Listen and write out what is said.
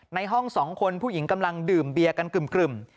ในห้อง๒คนผู้หญิงกำลังดื่มเบียร์กันกึ่ม